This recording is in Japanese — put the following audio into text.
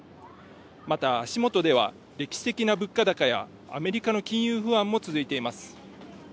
また足元では歴史的な物価高やアメリカの金融不安も続いています。